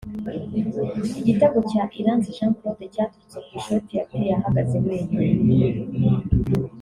Igitego cya Iranzi Jean Claude cyaturutse ku ishoti yateye ahagaze wenyine